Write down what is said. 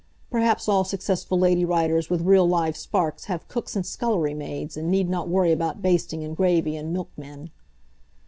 Perhaps all successful Lady Writers with real live sparks have cooks and scullery maids, and need not worry about basting, and gravy, and milkmen.